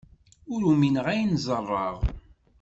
Ur umineɣ ayen ẓerreɣ.